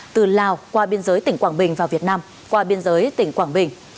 từ lào qua biên giới tỉnh quảng bình và việt nam qua biên giới tỉnh quảng bình